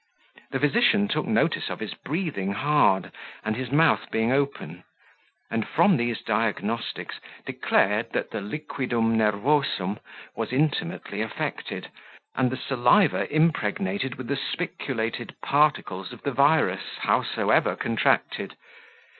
The physician took notice of his breathing hard, and his mouth being open; and from these diagnostics declared, that the liquidum nervosum was intimately affected, and the saliva impregnated with the spiculated particles of the virus, howsoever contracted.